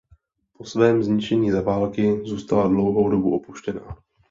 Po svém zničení za války zůstala dlouhou dobu opuštěná.